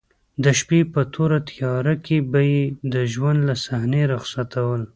د شپې په توره تیاره کې به یې د ژوند له صحنې رخصتول.